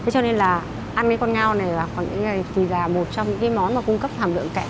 cho nên là ăn con ngao này là một trong những món cung cấp hàm lượng kẽm